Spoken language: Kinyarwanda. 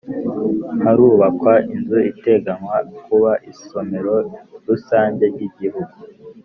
Harubakwa inzu iteganywa kuba isomero rusange ry Igihugu